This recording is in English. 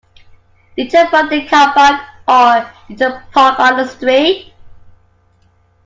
Did you find a car park, or did you park on the street?